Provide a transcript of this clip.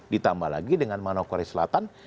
ditambah lagi dengan manokwari selatan